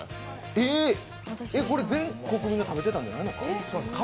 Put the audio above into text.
これ、全国民が食べてたんじゃないのか。